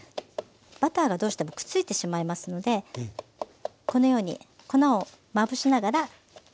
バターがどうしてもくっついてしまいますのでこのように粉をまぶしながら刻んでいきます。